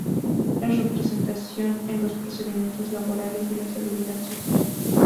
La representación en los procedimientos laborales y de Seguridad Social.